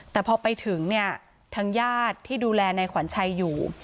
แต่พอไปถึงเนี่ยทางญาติที่ดูแลนายขวัญชัยอยู่